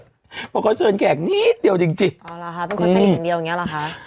เพราะเขาเชิญแขกนิดเดียวจริงอ๋อเหรอคะเป็นคนสนิทอย่างเดียวอย่างเงี้เหรอคะ